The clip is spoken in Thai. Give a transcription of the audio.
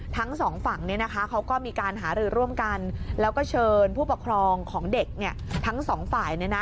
ถ่ายเอาไว้นะ